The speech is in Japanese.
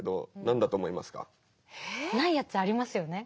ないやつありますよね。